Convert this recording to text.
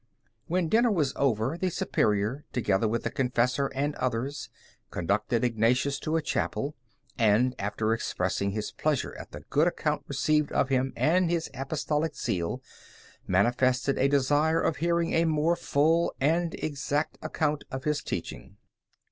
When dinner was over, the Superior, together with the confessor and others, conducted Ignatius to a chapel, and after expressing his pleasure at the good account received of him and his apostolic zeal, manifested a desire of hearing a more full and exact account of his teaching.